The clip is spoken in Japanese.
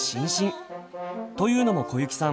というのも小雪さん